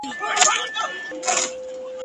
زه به راځم زه به تنها راځمه ..